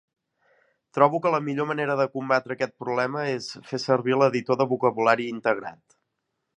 Trobo que la millor manera de combatre aquest problema és fer servir l'Editor de vocabulari integrat.